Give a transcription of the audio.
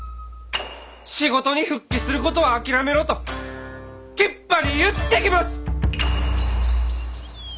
仕事に復帰することは諦めろときっぱり言ってきます！